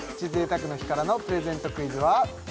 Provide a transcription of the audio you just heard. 贅沢の日からのプレゼントクイズは？